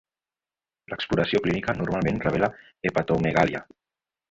L'exploració clínica normalment revela hepatomegàlia.